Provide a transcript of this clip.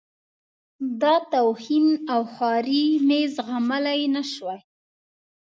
دا توهین او خواري مې زغملای نه شوای.